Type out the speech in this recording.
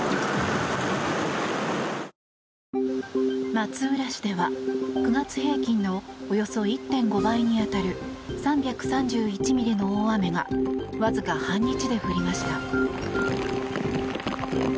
松浦市では９月平均のおよそ１．５倍に当たる３３１ミリの大雨がわずか半日で降りました。